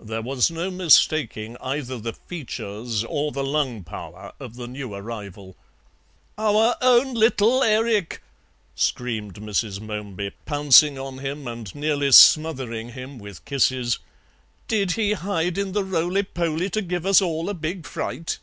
There was no mistaking either the features or the lung power of the new arrival. "Our own little Erik," screamed Mrs. Momeby, pouncing on him and nearly smothering him with kisses; "did he hide in the roly poly to give us all a big fright?"